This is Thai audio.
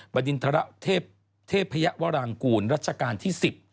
บดินทรเทพยวรางกูลรัชกาลที่๑๐